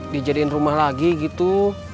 dijadikan rumah lagi gitu